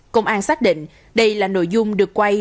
công an xác định đây là nội dung được quay để làm việc